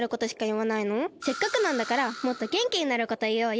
せっかくなんだからもっとげんきになることいおうよ。